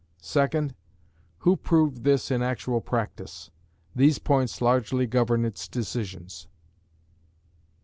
Second, who proved this in actual practice? These points largely govern its decisions.